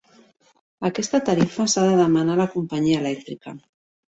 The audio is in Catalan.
Aquesta tarifa s'ha de demanar a la companyia elèctrica.